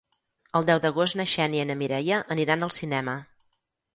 El deu d'agost na Xènia i na Mireia aniran al cinema.